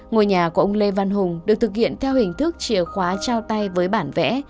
ngôi nhà của ông lê văn hùng được thực hiện theo hình thức chìa khóa trao tay với bản vẽ